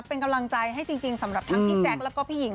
เป็นกำลังใจให้จริงสำหรับทั้งพี่แจ๊คแล้วก็พี่หญิง